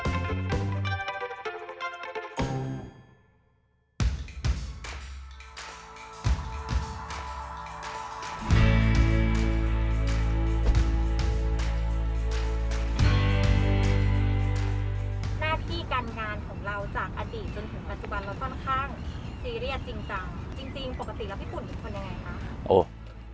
จริงปกติแล้วพี่ขุ่นเป็นคนยังไงครับ